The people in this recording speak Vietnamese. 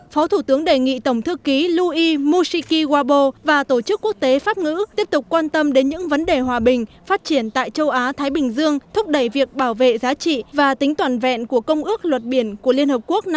phó thủ tướng đề nghị tổng thư ký loui mushiki wabo và tổ chức quốc tế pháp ngữ tiếp tục quan tâm đến những vấn đề hòa bình phát triển tại châu á thái bình dương thúc đẩy việc bảo vệ giá trị và tính toàn vẹn của công ước luật biển của liên hợp quốc năm hai nghìn hai mươi